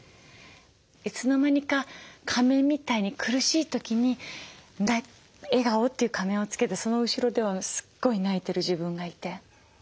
いつの間にか仮面みたいに苦しい時に「笑顔」という仮面をつけてその後ろではすっごい泣いてる自分がいて。